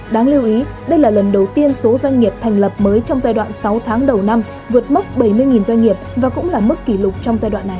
đáng lưu ý đây là lần đầu tiên số doanh nghiệp thành lập mới trong giai đoạn sáu tháng đầu năm vượt mốc bảy mươi doanh nghiệp và cũng là mức kỷ lục trong giai đoạn này